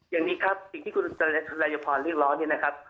อย่างนี้ครับสิ่งที่คุณรายพรเรียกร้องเนี่ยนะครับ